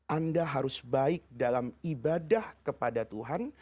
anda harus baik dalam ibadah kepada tuhan